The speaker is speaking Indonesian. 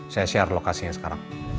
saya share lokasinya sekarang